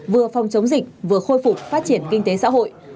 vừa phòng chống dịch vừa khôi phục phát triển kinh tế xã hội